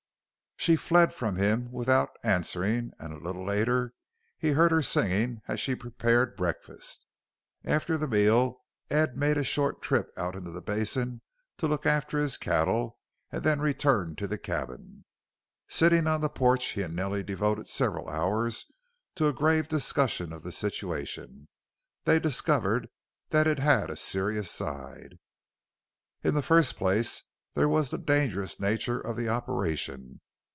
She fled from him without answering and a little later he heard her singing as she prepared breakfast. After the meal Ed made a short trip out into the basin to look after his cattle and then returned to the cabin. Sitting on the porch he and Nellie devoted several hours to a grave discussion of the situation. They discovered that it had a serious side. In the first place there was the dangerous nature of the operation.